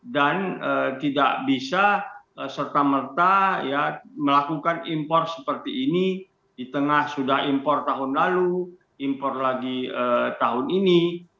dan tidak bisa serta merta melakukan impor seperti ini di tengah sudah impor tahun lalu impor lagi tahun ini